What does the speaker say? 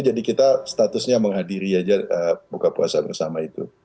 jadi kita statusnya menghadiri aja buka puasa bersama itu